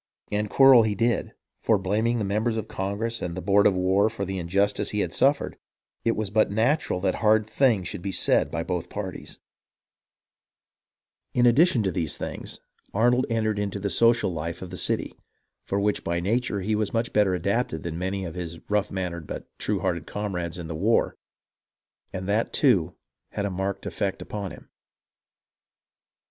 And quarrel he did, for, blaming the members of Congress and the board of war for the injustice he had suffered, it was but natural that hard things should be said by both parties. 290 HISTORY OF THE AMERICAN REVOLUTION In addition to these things, Arnold entered into the social life of the city, for which by nature he was much better adapted than many of his rough mannered but true hearted comrades in the war ; and that, too, had a marked effect upon him.